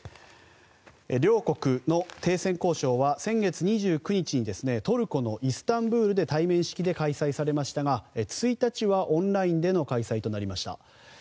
両国の停戦交渉は先月２９日にトルコのイスタンブールで対面式で開催されましたが１日はオンラインでの開催となりました。